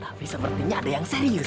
tapi sepertinya ada yang serius